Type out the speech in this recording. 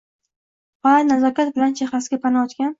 gʼoyat nazokat bilan chehrasiga pana etgan